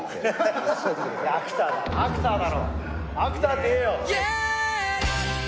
アクターって言えよ。